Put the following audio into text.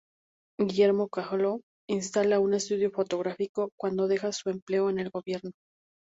Guillermo Kahlo instala un estudio fotográfico cuando deja su empleo en el gobierno.